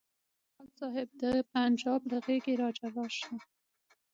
قلموال صاحب ته د پنجاب له غېږې راجلا شه.